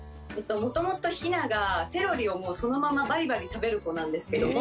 もともとひながセロリをそのままバリバリたべるこなんですけども。